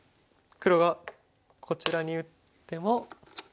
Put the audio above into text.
黒がこちらに打っても。